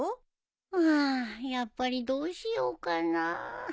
うんやっぱりどうしようかなあ。